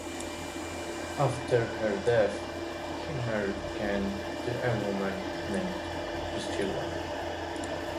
After her death, he married again, to a woman named Priscilla.